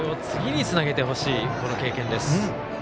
次につなげてほしい経験です。